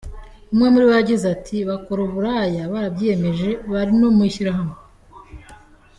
Umwe muri bo yagize ati “Bakora uburaya barabyiyemeje, bari no mu ishyirahamwe.